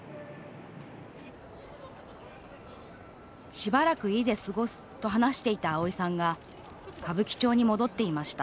しばらく、家で過ごすと話していた、あおいさんが歌舞伎町に戻っていました